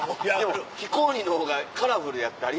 でも非公認の方がカラフルやったり。